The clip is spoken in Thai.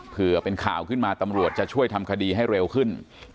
เพื่อเป็นข่าวขึ้นมาตำรวจจะช่วยทำคดีให้เร็วขึ้น